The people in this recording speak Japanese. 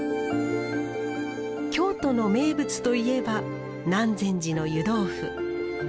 京都の名物といえば南禅寺の湯豆腐。